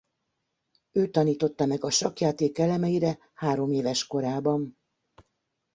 Ő tanította meg a sakkjáték elemeire hároméves korában.